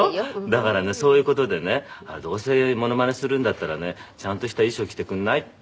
だからねそういう事でね「どうせモノマネするんだったらねちゃんとした衣装着てくんない」って。